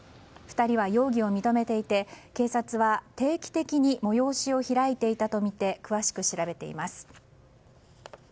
２人は容疑を認めていて警察は、定期的に催しを開いていたとみて詳しく調べています。